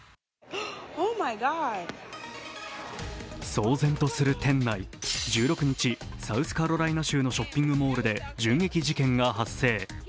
騒然とする店内、１６日、サウスカロライナ州のショッピングモールで銃撃事件が発生。